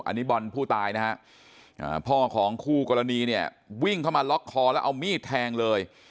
อันนี้บอลผู้ตายนะฮะพ่อของคู่กรณีเนี่ยวิ่งเข้ามาล็อกคอแล้วเอามีดแทงเลย